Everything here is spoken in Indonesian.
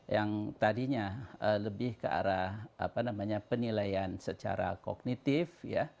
yang tadinya lebih ke arah penilaian secara kognitif